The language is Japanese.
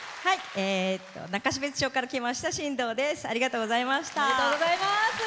中標津町から来ましたしんどうです。